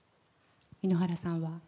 井ノ原さんは？